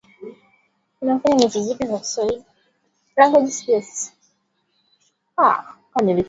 operesheni cha Marekani kitakuwa tena nchini Somalia